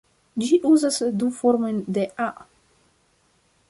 Ĝi uzas du formojn de "a".